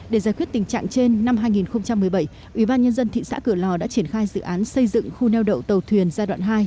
để giải quyết tình trạng trên năm hai nghìn một mươi bảy ủy ban nhân dân thị xã cửa lò đã triển khai dự án xây dựng khu neo đậu tàu thuyền giai đoạn hai